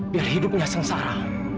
biar hidupnya sengsara